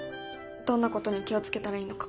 どんなことに気を付けたらいいのか。